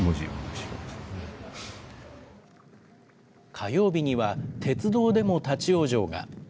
火曜日には鉄道でも立往生が。